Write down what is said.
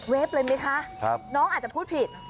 เวฟเลยมั้ยค่ะน้องอาจจะพูดผิด